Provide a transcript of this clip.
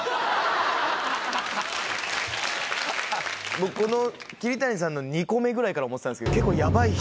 僕桐谷さんの２個目ぐらいから思ってたんですけど。